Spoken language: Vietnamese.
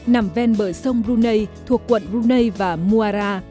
nằm ven bờ sông brunei thuộc quận brunei và muara